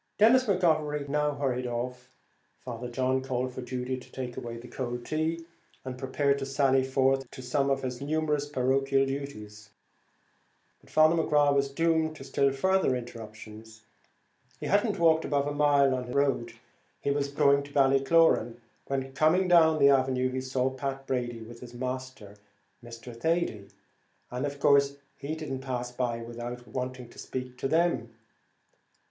Denis McGovery now hurried off. Father John called for Judy to take away the cold tea, and prepared to sally forth to some of his numerous parochial duties. But Father McGrath was doomed to still further interruptions. He had not walked above a mile on his road, he was going by Ballycloran, when, coming down the avenue, he saw Pat Brady with his master, Mr. Thady, and of course he didn't pass without waiting to speak to them.